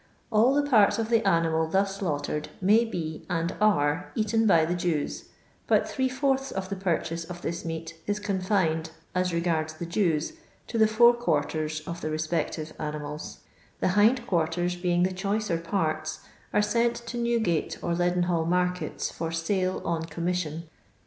All the parts of the animal thus slaughtered may be and are eaten by the Jews, but three fourths of the purchase of this meat is confined, as regards the Jews, to the fore qnartert of the respective animals; the hind quarters, being the choicer parts, are sent to Newgate or Leaden hall markets for sale on commission."